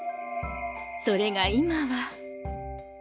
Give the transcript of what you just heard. それが今は。